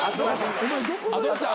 どうした？